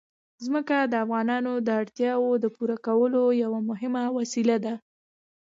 ځمکه د افغانانو د اړتیاوو د پوره کولو یوه مهمه وسیله ده.